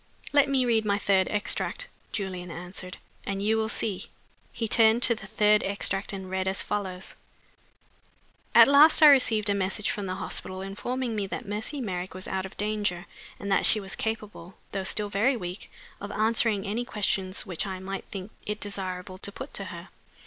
"Let me read my third extract," Julian answered, "and you will see." He turned to the third extract, and read as follows: "'At last I received a message from the hospital informing me that Mercy Merrick was out of danger, and that she was capable (though still very weak) of answering any questions which I might think it desirable to put to her.